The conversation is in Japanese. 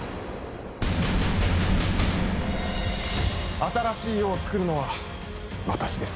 新しい世をつくるのは私です。